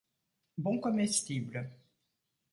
Bon comestible.